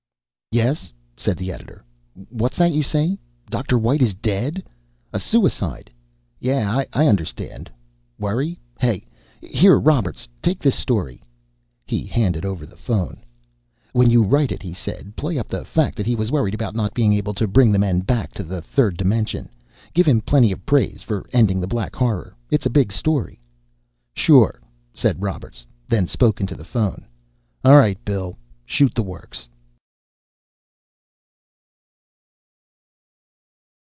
"Yes?" said the editor. "What's that you say? Doctor White is dead! A suicide! Yeah, I understand. Worry, hey! Here, Roberts, take this story." He handed over the phone. "When you write it," he said, "play up the fact he was worried about not being able to bring the men back to the third dimension. Give him plenty of praise for ending the Black Horror. It's a big story." "Sure," said Roberts, then spoke into the phone: "All right, Bill, shoot the works."